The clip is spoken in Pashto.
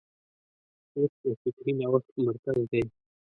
کورس د فکري نوښت مرکز دی.